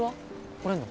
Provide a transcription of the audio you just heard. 来れんの？